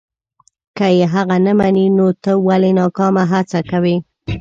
که یې هغه نه مني نو ته ولې ناکامه هڅه کوې.